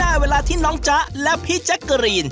ได้เวลาที่น้องจ๊ะและพี่แจ๊กกะรีน